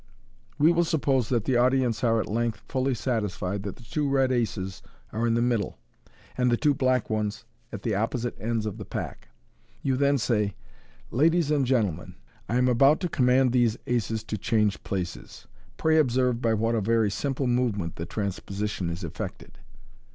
We will suppose that the audience are at length fully satisfied that the two red aces are in the middle, and the two black ones at the opposite ends of the pack. You then say, " Ladies and gentlemen, I am about to command these aces to change places. Pray observe by what a very simple movement the transposition is effected."